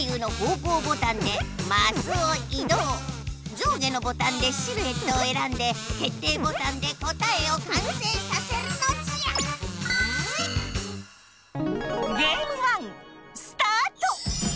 上下のボタンでシルエットをえらんで決定ボタンで答えをかんせいさせるのじゃスタート！